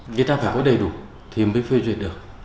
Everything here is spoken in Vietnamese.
người ta phải có đầy đủ thì mới phê duyệt được